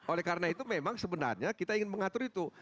oleh karena itu memang sebenarnya kita ingin mengatur itu